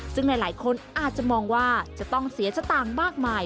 ซึ่งหลายคนอาจจะมองว่าจะต้องเสียสตางค์มากมาย